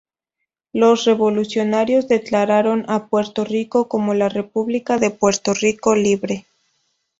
Los revolucionarios declararon a Puerto Rico como la "República de Puerto Rico" libre.